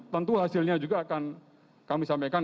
tentu hasilnya juga akan kami sampaikan